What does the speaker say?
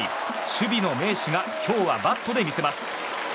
守備の名手が今日はバットで見せます。